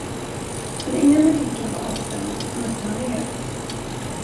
Men innan artikeln var avsänd, mötte han er.